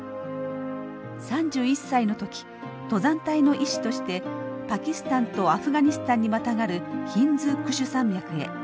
３１歳の時登山隊の医師としてパキスタンとアフガニスタンにまたがるヒンズークシュ山脈へ。